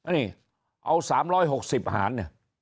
นี่เอา๓๖๐หาร